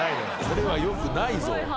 これはよくないぞ。